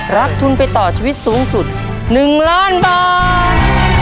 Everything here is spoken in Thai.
รับทุนไปต่อชีวิตสูงสุด๑ล้านบาท